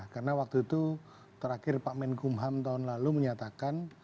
karena waktu itu terakhir pak menkumham tahun lalu menyatakan